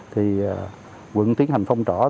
thì quận tiến hành phong tỏa